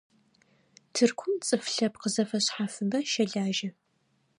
Тыркум цӀыф лъэпкъ зэфэшъхьафыбэ щэлажьэ.